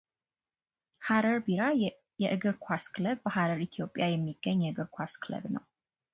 ሐረር ቢራ የእግር ኳስ ክለብ በሐረር ኢትዮጵያ የሚገኝ የእግር ኳስ ክለብ ነው።